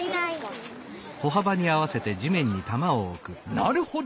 なるほど！